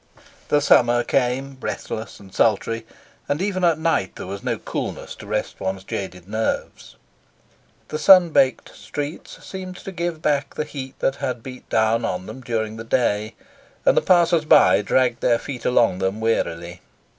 The summer came, breathless and sultry, and even at night there was no coolness to rest one's jaded nerves. The sun baked streets seemed to give back the heat that had beat down on them during the day, and the passers by dragged their feet along them wearily.